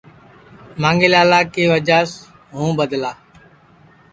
مانگھی لالا کی وجہ سے ہوں بدلا